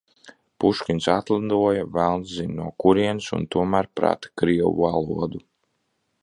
Puškins atlidoja velns zina no kurienes un tomēr prata krievu valodu.